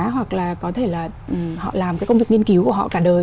hoặc là có thể là họ làm cái công việc nghiên cứu của họ cả đời